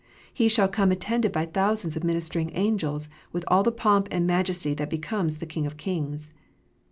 He shall come attended by thousands of ministering angels, with all the pomp and majesty that becomes the King of kings.